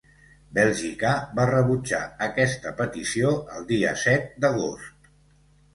Bèlgica va rebutjar aquesta petició el dia set d’agost.